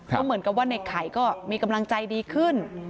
ก็เหมือนกับว่าในไข่ก็มีกำลังใจดีขึ้น